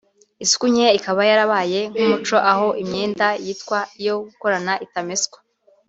isuku nkeya ikaba yarabaye nk’umuco aho imyenda yitwa iyo gukorana itameswa